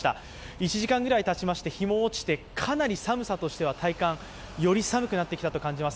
１時間ぐらいたちまして日も落ちてかなり寒さとしては体感より寒くなってきたと感じます。